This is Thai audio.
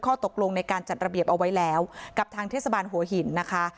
ข้อตกลงในการจัดระเบียบเอาไว้แล้วกับทางเทศบาลหัวหินนะคะ